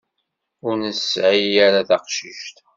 Ur nesɛi ara taqcict.